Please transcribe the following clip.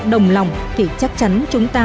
đồng lòng thì chắc chắn chúng ta